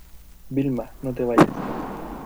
Vilma, no te vayas.